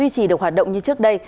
chỉ được hoạt động như trước đây